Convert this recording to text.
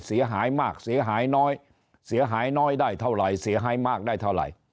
เสียหายมากเสียหายน้อยเสียหายน้อยได้เท่าไหร่เสียหายมากได้เท่าไหร่